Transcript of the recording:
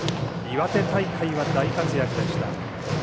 岩手大会は大活躍でした。